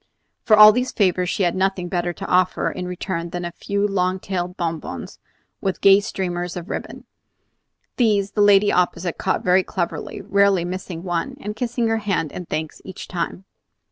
For all these favors she had nothing better to offer, in return, than a few long tailed bonbons with gay streamers of ribbon. These the lady opposite caught very cleverly, rarely missing one, and kissing her hand in thanks each time.